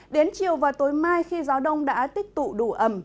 đến chiều và tối mai khi gió đông đã tích tụ đủ ẩm